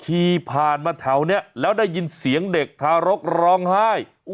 ขี่ผ่านมาแถวนี้แล้วได้ยินเสียงเด็กทารกร้องไห้